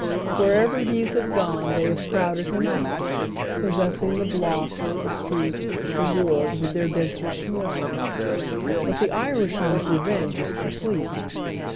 AVhcrever these have gone they have crowded him ont, possessing the block, the street, the ward with their denser swarms. But the Irish man's revenge is complete.